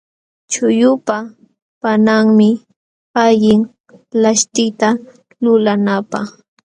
Chuqllupa panqanmi allin laśhtita lulanapaq.